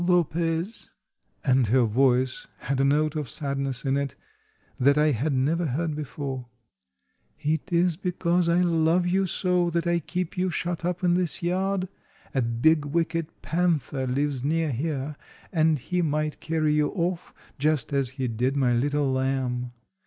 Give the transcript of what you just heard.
"Lopez," and her voice had a note of sadness in it that I had never heard before, "it is because I love you so that I keep you shut up in this yard. A big, wicked panther lives near here, and he might carry you off, just as he did my little lamb.